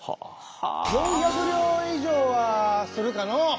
４００両以上はするかの。